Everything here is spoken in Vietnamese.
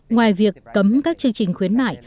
ngoài việc cấm các chương trình khuyến mại